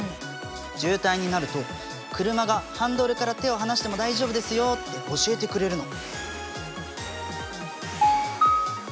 渋滞になると車が「ハンドルから手を離しても大丈夫ですよ」って教えてくれるの。